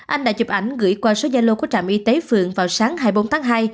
anh đã chụp ảnh gửi qua số gia lô của trạm y tế phường vào sáng hai mươi bốn tháng hai